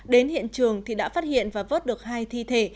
đến hiện trường thì đã phát hiện và vớt được hai thi thể